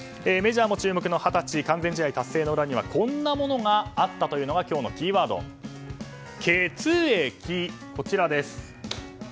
メジャーも注目の二十歳完全試合達成の裏にはこんなものもあったというのが今日のキーワード、血液です。